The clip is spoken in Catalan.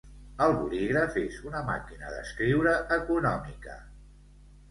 El bolígraf és una máquina d'escriure económica